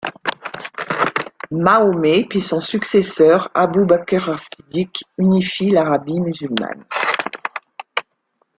Mahomet puis son successeur Abou Bakr As-Siddiq, unifient l'Arabie musulmane.